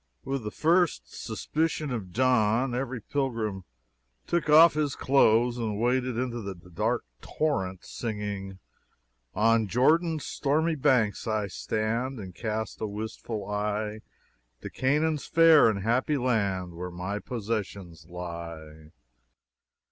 With the first suspicion of dawn, every pilgrim took off his clothes and waded into the dark torrent, singing: "On Jordan's stormy banks I stand, And cast a wistful eye To Canaan's fair and happy land, Where my possessions lie."